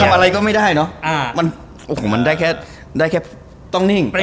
มันทำอะไรก็ไม่ได้เนาะมันได้แค่ต้องนิ่ง